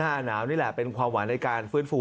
หน้าหนาวนี่แหละเป็นความหวานในการฟื้นฟู